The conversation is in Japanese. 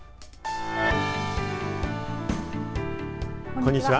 こんにちは。